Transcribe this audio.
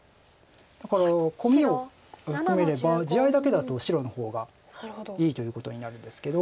だからコミを含めれば地合いだけだと白の方がいいということになるんですけど。